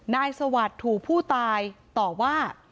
สวัสดิ์ถูกผู้ตายต่อว่า